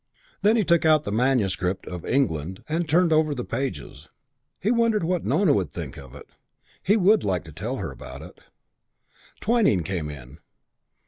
Then he took out the manuscript of "England" and turned over the pages. He wondered what Nona would think of it. He would like to tell her about it. Twyning came in.